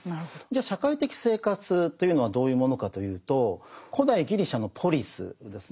じゃ社会的生活というのはどういうものかというと古代ギリシャのポリスですね